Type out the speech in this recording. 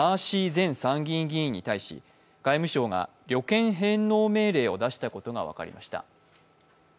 前参議院議員に対し外務省が旅券返納命令を出したことが分かりました。